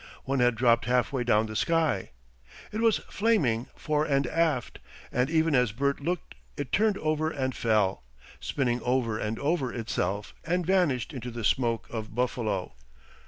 One had dropped halfway down the sky. It was flaming fore and aft, and even as Bert looked it turned over and fell, spinning over and over itself and vanished into the smoke of Buffalo.